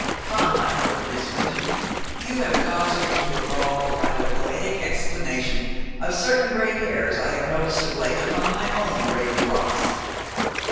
'Pon my word, Miss Wynton, you have caused me to evolve a rather poetic explanation of certain gray hairs I have noticed of late among my own raven locks."